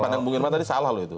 katakanlah itu misalnya salah